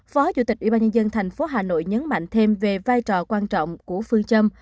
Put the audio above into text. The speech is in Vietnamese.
phó chủ tịch ubnd tp hà nội nhấn mạnh thêm về vai trò quan trọng của phương châm